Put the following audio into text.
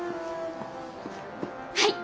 はい！